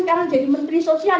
karena jadi menteri sosial